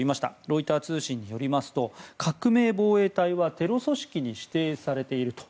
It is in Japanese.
ロイター通信によりますと革命防衛隊はテロ組織に指定されていると。